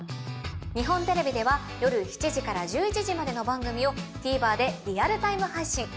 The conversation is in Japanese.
日本テレビでは夜７時から１１時までの番組をＴＶｅｒでリアルタイム配信。